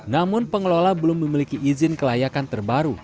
namun pengelola belum memiliki izin kelayakan terbaru